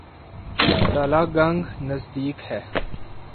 تلہ گنگ نزدیک ہے۔